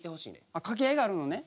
あ掛け合いがあるのね。